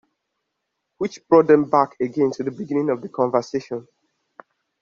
Which brought them back again to the beginning of the conversation.